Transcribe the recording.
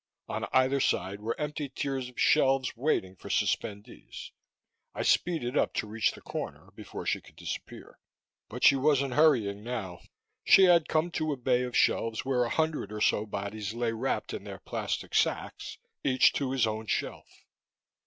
On either side were empty tiers of shelves waiting for suspendees. I speeded up to reach the corner before she could disappear. But she wasn't hurrying now. She had come to a bay of shelves where a hundred or so bodies lay wrapped in their plastic sacks, each to his own shelf.